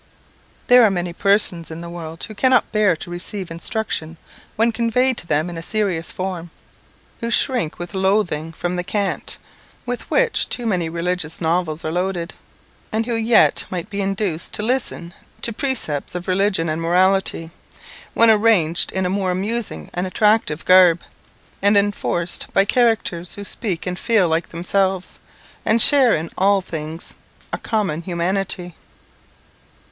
There are many persons in the world who cannot bear to receive instruction when conveyed to them in a serious form, who shrink with loathing from the cant with which too many religious novels are loaded; and who yet might be induced to listen to precepts of religion and morality, when arrayed in a more amusing and attractive garb, and enforced by characters who speak and feel like themselves, and share in all things a common humanity.